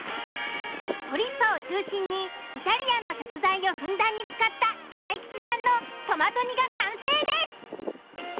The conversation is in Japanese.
トリッパを中心にイタリアンの食材をふんだんに使った大吉さんのトマト煮が完成です。